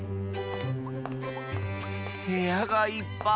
へやがいっぱい！